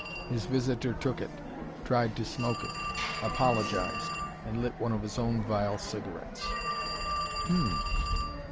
His visitor took it, tried to smoke it, apologized and lit one of his own vile cigarettes." "Hm m!"